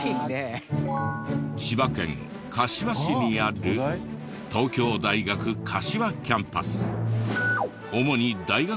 千葉県柏市にある東京大学柏キャンパス。